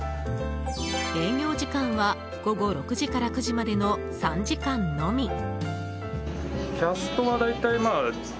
営業時間は午後６時から９時までの３時間のみ。